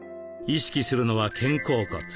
意識するのは肩甲骨。